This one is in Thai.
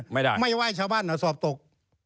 ไม่ได้ไม่ไหว้ชาวบ้านสอบตก